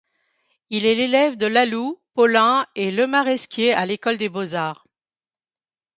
Il est l'élève de Laloux, Paulin et Lemaresquier à l'École des beaux-arts.